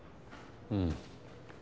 うん。